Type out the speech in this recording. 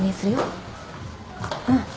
うん。